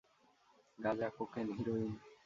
গাঁজা, cocaine, heroin.